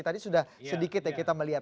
tadi sudah sedikit ya kita melihat